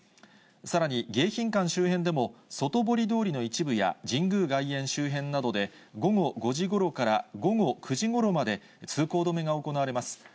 さらに迎賓館周辺でも、外堀通りの一部や神宮外苑周辺などで、午後５時ごろから午後９時ごろまで、通行止めが行われます。